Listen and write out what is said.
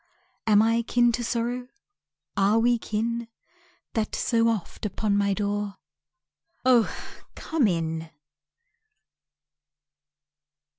Am I kin to Sorrow? Are we kin? That so oft upon my door *Oh, come in*!